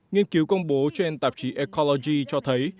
nghiên cứu công bố trên tạp chí ecology cho thấy